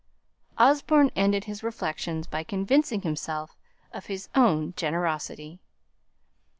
Osborne ended his reflections by convincing himself of his own generosity.